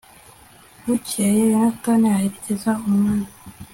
bukeye, yonatani aherekeza umwami